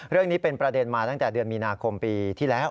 เรื่องนี้เป็นประเด็นมาตั้งแต่เดือนมีนาคมปีที่แล้ว